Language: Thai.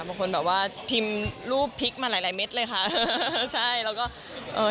บางคนแบบว่าพิมพ์รูปพลิกมาหลายหลายเม็ดเลยค่ะเออใช่แล้วก็เอ่อ